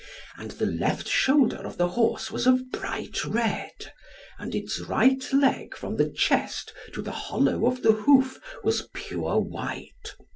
And the left shoulder of the horse was of bright red, and its right leg from the chest to the hollow of the hoof was pure white.